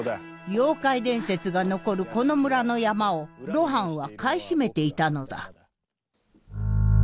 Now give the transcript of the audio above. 妖怪伝説が残るこの村の山を露伴は買い占めていたのだ。